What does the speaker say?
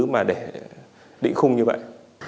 mà để định khung như vậy